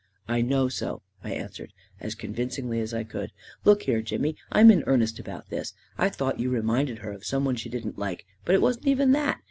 " I know so," I answered, as convincingly as I could " Look here, Jimmy, I'm in earnest about this. I thought you reminded her of some one she didn't like; but it wasn't even that.